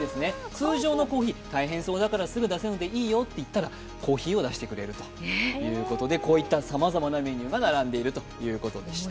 通常のコーヒー、大変そうだから、すぐ出せるのでいいよと言ったらコーヒーを出してくれるということで、こういったさまざまなメニューが並んでいるということでした。